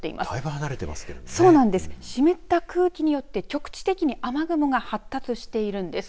湿った空気によって局地的に雨雲が発達しているんです。